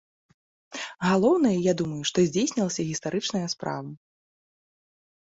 Галоўнае, я думаю, што здзейснілася гістарычная справа.